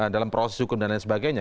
dalam proses hukum dan lain sebagainya